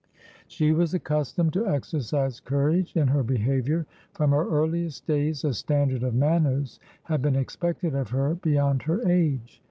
She was accustomed to exercise courage in her behavior. From her earliest days a standard of manners had been expected of her beyond her age.